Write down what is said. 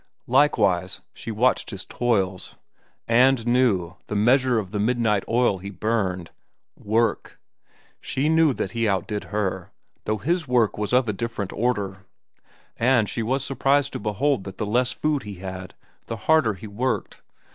Likewise she watched his toils, and knew the measure of the midnight oil he burned. Work! She knew that he outdid her, though his work was of a different order. And she was surprised to behold that the less food he had, the harder he worked.